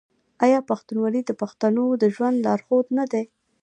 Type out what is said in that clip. آیا پښتونولي د پښتنو د ژوند لارښود نه دی؟